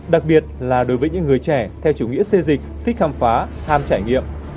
đặc biệt là đối với những người trẻ theo chủ nghĩa xây dịch thích khám phá ham trải nghiệm